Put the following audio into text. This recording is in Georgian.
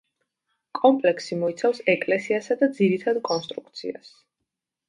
კომპლექსი მოიცავს ეკლესიასა და ძირითად კონსტრუქციას.